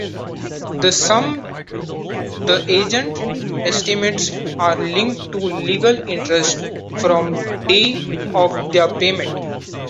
The sum the agent estimates are linked to legal interests from the day of their payment.